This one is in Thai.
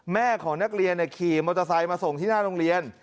แม่ของนักเรียนขี่มอเตอร์ไซค์มาส่งที่หน้าโรงเรียน